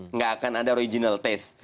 nggak akan ada original test